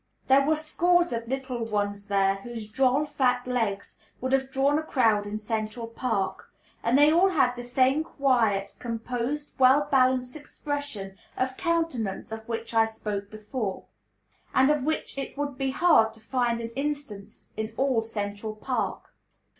There were scores of little ones there, whose droll, fat legs would have drawn a crowd in Central Park; and they all had that same, quiet, composed, well balanced expression of countenance of which I spoke before, and of which it would be hard to find an instance in all Central Park.